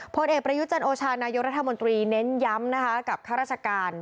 ผลเอกประยุจันโอชานายกรัฐมนตรีเน้นย้ำนะคะกับข้าราชการ